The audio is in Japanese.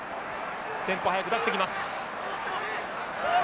テンポ速く出してきます。